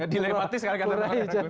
dilema sekali kata pak rai